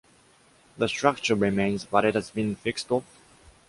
The structure remains, but it has been fixed up.